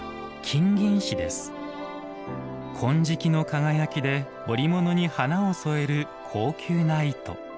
金色の輝きで織物に華を添える高級な糸。